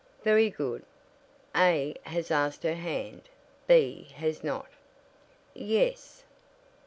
"Very good. A has asked her hand, B has not." "Yes."